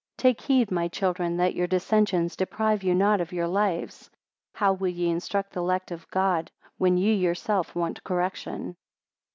104 Take heed, my children, that your dissensions deprive you not of your lives. How will ye instruct the elect of God, when ye yourselves want correction?